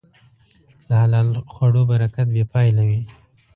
د حلال خوړو برکت بېپایله وي.